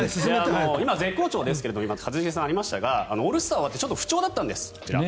今、絶好調ですが一茂さんからもありましたがオールスターが終わってちょっと不調だったんです。